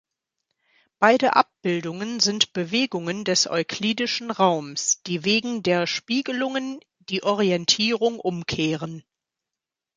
Beide Abbildungen sind Bewegungen des euklidischen Raums, die wegen der Spiegelungen die Orientierung umkehren.